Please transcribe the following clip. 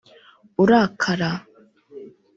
urakara